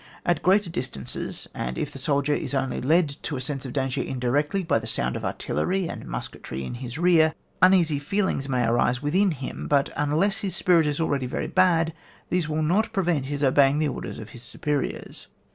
At greater distances, and if the soldier is only led to a sense of danger indirectly by the sound of artillery and musketry in his rear, uneasy feelings may arise within him, but, unless lus spirit is already very bad, these will not prevent his obeying the orders of his superiors.